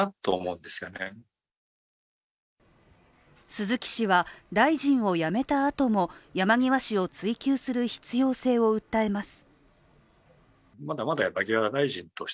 鈴木氏は、大臣を辞めたあとも山際氏を追及する必要性を訴えます。